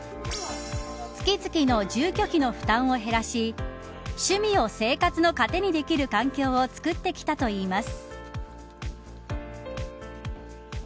月々の住居費の負担を減らし趣味を生活の糧にできる環境をつくってきたといいます。